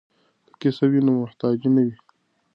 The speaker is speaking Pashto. که کسب وي نو محتاجی نه وي.